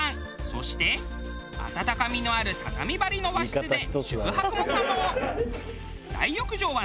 そして温かみのある畳張りの和室で。